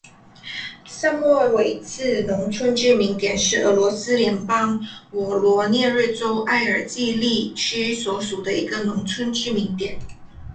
萨莫韦茨农村居民点是俄罗斯联邦沃罗涅日州埃尔季利区所属的一个农村居民点。